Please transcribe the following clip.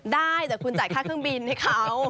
ได้แต่คุณจ่ายค่าเครื่องบินให้เขา